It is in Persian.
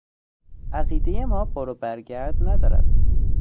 عقیدهٔ ما بروبرگرد ندارد.